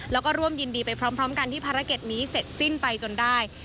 แล้วก็ร่วมยินดีไปพร้อมกันที่ภารกิจนี้เสร็จสิ้นไปจนได้